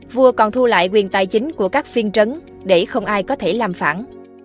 vua còn thu lại quyền tài chính của các phiên trấn để không ai có thể làm phản